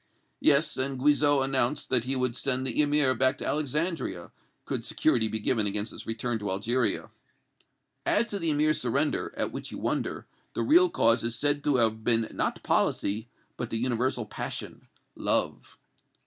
"Yes; and Guizot announced that he would send the Emir back to Alexandria, could security be given against his return to Algeria." "As to the Emir's surrender, at which you wonder, the real cause is said to have been not policy, but the universal passion love."